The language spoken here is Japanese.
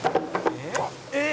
「えっ！」